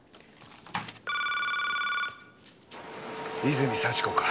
泉幸子か？